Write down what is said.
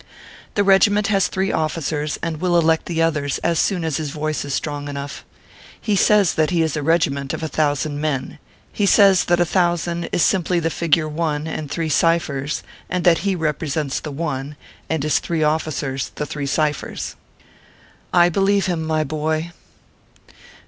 The regiment has three officers, and will elect the others as soon as his voice is strong enough. He says that he is a regiment of 1,000 men ; he says that 1,000 is simply the figure 1 and three ci phers, and that he represents the 1, and his three officers the three ciphers. I believe him, my boy